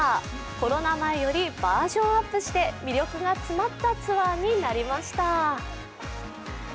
コロナ前よりバージョンアップして魅力が詰まったツアーになりました。